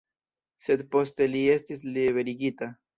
Sed poste li estis liberigita.